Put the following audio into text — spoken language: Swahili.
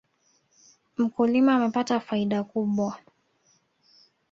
Mkulima amepata faida kubwa